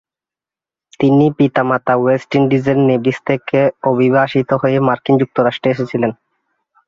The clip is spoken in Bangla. তার পিতামাতা ওয়েস্ট ইন্ডিজের নেভিস থেকে অভিবাসিত হয়ে মার্কিন যুক্তরাষ্ট্রে এসেছিলেন।